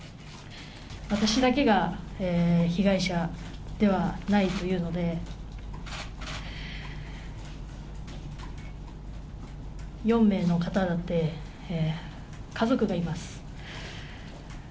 私だけが被害者ではないというので、４名の方だって、家族がいます。